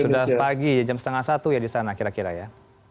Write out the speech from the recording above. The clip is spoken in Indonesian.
sudah pagi jam setengah satu ya di sana kira kira ya